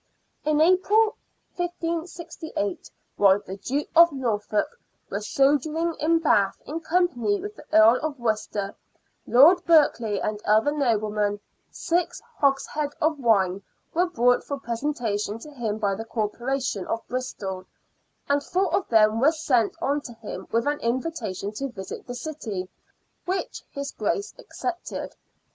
In April, 1568, while the Duke of Norfolk was sojourning at Bath in company with the Earl of Worcester, Lord Berkeley, and other noblemen, six hogsheads of wine were bought for presentation to him by the Corporation of Bristol, and four of them were sent on to him with an invitation to visit the city, which his Grace accepted.